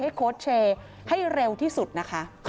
โค้ชเชย์ให้เร็วที่สุดนะคะ